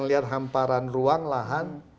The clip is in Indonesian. berhamparan ruang lahan